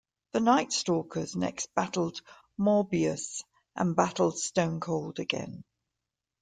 The Nightstalkers next battled Morbius, and battled Stonecold again.